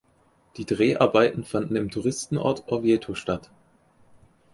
Die Dreharbeiten fanden im Touristenort Orvieto statt.